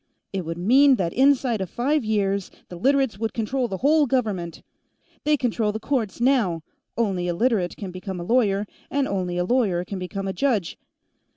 It would mean that inside of five years, the Literates would control the whole government. They control the courts, now only a Literate can become a lawyer, and only a lawyer can become a judge.